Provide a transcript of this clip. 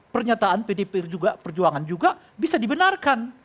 pernyataan pdp perjuangan juga bisa dibenarkan